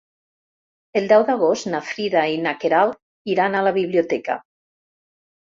El deu d'agost na Frida i na Queralt iran a la biblioteca.